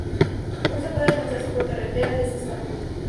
Bursa puede alcanzarse por carretera desde Estambul.